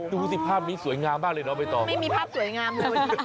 ดูสิภาพนี้สวยงามมากเลยน้องใบตองไม่มีภาพสวยงามเลย